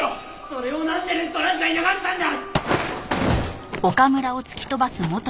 それをなんでネットなんかに流したんだ！？